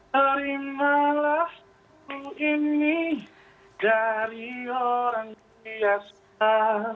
terimalah ku ini dari orang biasa